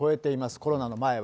コロナの前は。